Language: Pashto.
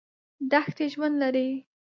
دښتې ژوند لري.